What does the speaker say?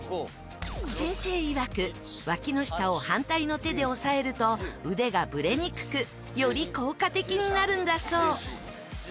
先生いわくわきの下を反対の手で押さえると腕がブレにくくより効果的になるんだそう。